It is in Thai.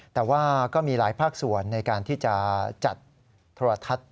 แต่ว่าก็มีหลายภาคส่วนในการที่จะจัดโทรทัศน์